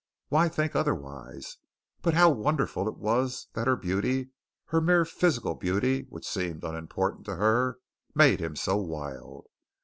Why think otherwise? But how wonderful it was that her beauty, her mere physical beauty, which seemed unimportant to her, made him so wild.